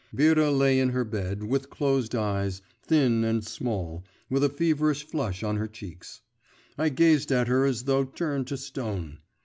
Vera lay in her bed, with closed eyes, thin and small, with a feverish flush on her cheeks. I gazed at her as though turned to stone.